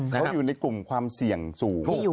เขาอยู่ในกลุ่มความเสี่ยงสูง